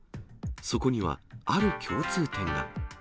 そこには、ある共通点が。